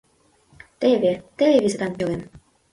Теве, теве визытан пӧлем.